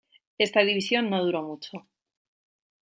Esta división no duró mucho.